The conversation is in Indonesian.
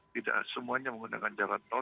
tidak semuanya menggunakan jalan tol